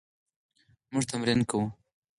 موږ تمرین کوو